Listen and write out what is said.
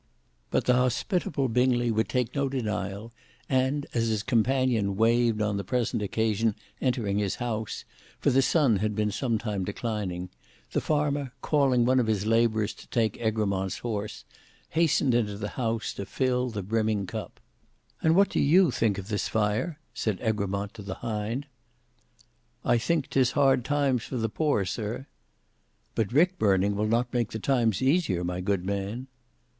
But the hospitable Bingley would take no denial, and as his companion waived on the present occasion entering his house, for the sun had been some time declining, the farmer, calling one of his labourers to take Egremont's horse, hastened into the house to fill the brimming cup. "And what do you think of this fire?" said Egremont to the hind. "I think 'tis hard times for the poor, sir." "But rick burning will not make the times easier, my good man."